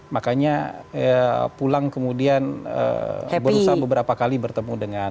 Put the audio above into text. makanya pulang kemudian berusaha beberapa kali bertemu dengan